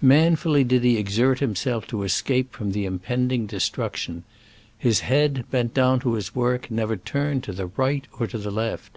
Manfully did he exert himself to escape from the impending destruction. His head, bent down to his work, never turn ed to the right or to the left.